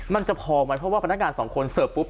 มันจะพอไหมเพราะว่าพนักงานสองคนเสิร์ฟปุ๊บ